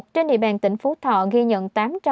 trên địa bàn tỉnh phú thọ ghi nhận